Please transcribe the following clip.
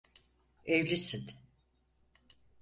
Evlisin.